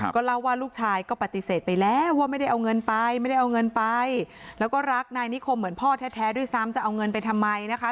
ก็เล่าว่าลูกชายก็ปฏิเสธไปแล้วว่าไม่ได้เอาเงินไปไม่ได้เอาเงินไปแล้วก็รักนายนิคมเหมือนพ่อแท้ด้วยซ้ำจะเอาเงินไปทำไมนะคะ